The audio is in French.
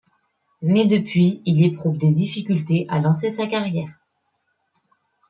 Mais depuis il éprouve des difficultés à lancer sa carrière.